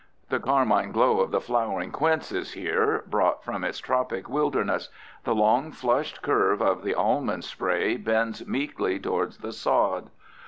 The carmine glow of the flowering quince is here, brought from its tropic wilderness. The long flushed curve of the almond spray bends meekly toward the sod.